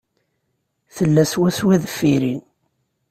Tella swaswa deffir-i.